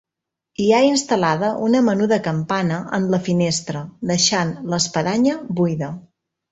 Hi ha instal·lada una menuda campana en la finestra, deixant l'espadanya buida.